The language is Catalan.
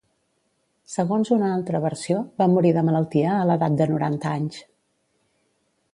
Segons una altra versió, va morir de malaltia a l'edat de noranta anys.